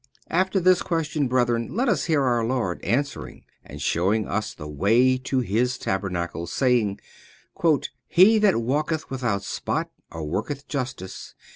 After this question, Brethren, let us hear our Lord answering and showing us the way to His tabernacle, saying: "He that walketh without 1 spot and worketh justice.